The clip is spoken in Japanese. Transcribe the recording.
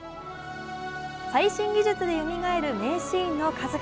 最新技術でよみがえる名シーンの数々。